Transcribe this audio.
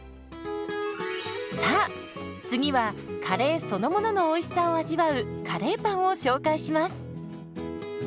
さあ次はカレーそのもののおいしさを味わうカレーパンを紹介します。